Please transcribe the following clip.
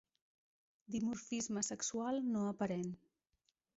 Dimorfisme sexual no aparent.